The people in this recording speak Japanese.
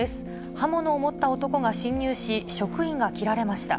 刃物を持った男が侵入し、職員が切られました。